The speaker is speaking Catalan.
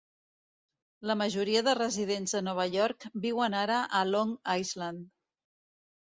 La majoria de residents de Nova York viuen ara a Long Island.